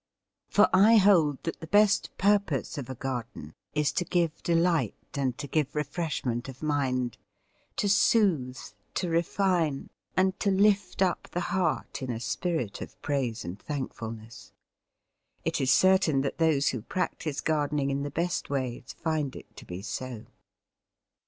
For I hold that the best purpose of a garden is to give delight and to give refreshment of mind, to soothe, to refine, and to lift up the heart in a spirit of praise and thankfulness. It is certain that those who practise gardening in the best ways find it to be so.